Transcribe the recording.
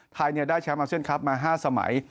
ไทยได้แชมป์อาเซียนคลับมา๕สมัย